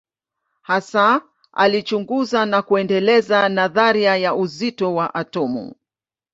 Hasa alichunguza na kuendeleza nadharia ya uzito wa atomu.